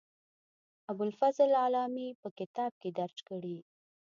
ابوالفضل علامي په کتاب کې درج کړې.